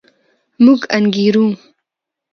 موږ انګېرو.